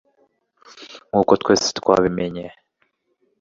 nkuko twese twabimenye